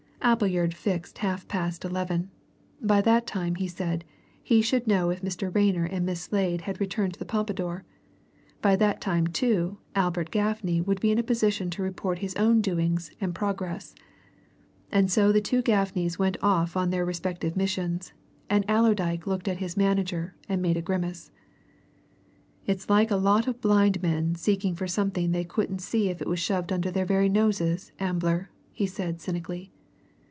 Appleyard fixed half past eleven. By that time, he said, he should know if Mr. Rayner and Miss Slade had returned to the Pompadour; by that time, too, Albert Gaffney would be in a position to report his own doings and progress. And so the two Gaffneys went off on their respective missions, and Allerdyke looked at his manager and made a grimace. "It's like a lot of blind men seeking for something they couldn't see if it was shoved under their very noses, Ambler!" he said cynically.